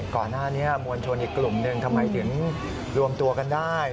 ก่อนหน้านี้มวลชนอีกกลุ่มหนึ่งทำไมถึงรวมตัวกันได้